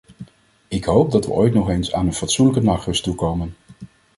Ik hoop dat we ooit nog eens aan een fatsoenlijke nachtrust toekomen.